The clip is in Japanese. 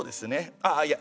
ああいや